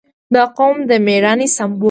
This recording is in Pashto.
• دا قوم د مېړانې سمبول دی.